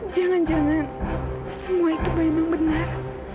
jangan jangan semua itu memang benar